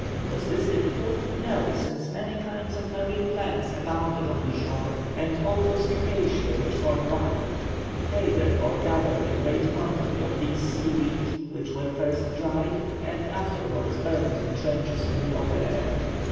Was this difficult? No, since many kinds of marine plants abounded on the shore, and all those fucaceæ which form wrack. They therefore gathered a great quantity of these seaweed, which were first dried, and, afterwards, burnt in trenches in the open air.